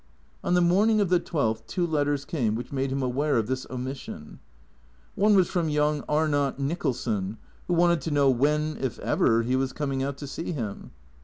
On the morning of the twelfth two letters came which made him aware of this omission. One was from young Arnott Nicholson, who wanted to know when, if ever, he was coming out to see him.